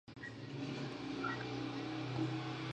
مغز اوس ارزول شوی دی